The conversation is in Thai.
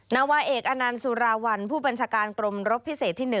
นาวาเอกอนันต์สุราวัลผู้บัญชาการกรมรบพิเศษที่๑